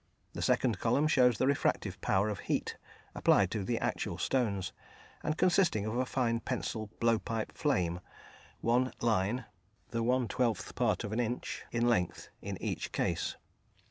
The second column shows the refractive power of heat, applied to the actual stones, and consisting of a fine pencil blowpipe flame, one line (the one twelfth part of an inch) in length in each case.